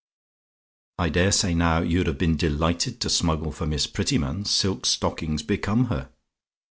"I dare say now, you'd have been delighted to smuggle for Miss Prettyman? Silk stockings become her!